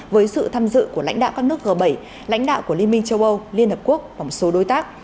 với sự tham dự của lãnh đạo các nước g bảy lãnh đạo của liên minh châu âu liên hợp quốc và một số đối tác